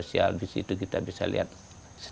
bicara bagaimana betul bet researchers